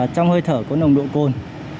trong hơi thở có nồng độ cồn